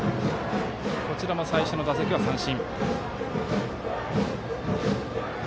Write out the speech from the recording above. こちらも最初の打席は三振。